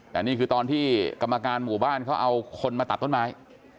แต่นี่คือตอนที่กรรมการหมู่บ้านเขาเอาคนมาตัดต้นไม้